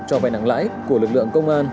cho vay nặng lãi của lực lượng công an